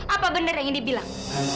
apa bener yang ini bilang